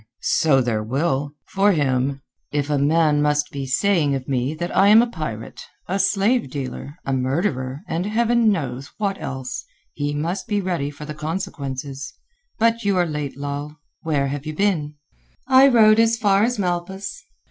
"So there will—for him. If a man must be saying of me that I am a pirate, a slave dealer, a murderer, and Heaven knows what else, he must be ready for the consequences. But you are late, Lal. Where have you been?" "I rode as far as Malpas."